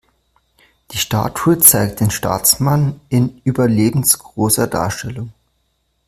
Die Statue zeigt den Staatsmann in überlebensgroßer Darstellung.